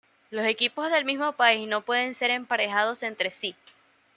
Los equipos del mismo país no puedes ser emparejados entre sí.